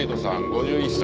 ５１歳。